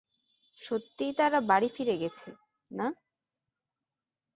সত্যিই তারা বাড়ি ফিরে গেছে, না?